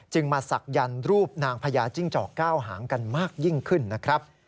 มาศักยันต์รูปนางพญาจิ้งจอกเก้าหางกันมากยิ่งขึ้นนะครับ